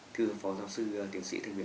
thưa phó giáo sư tiến sĩ thanh nguyên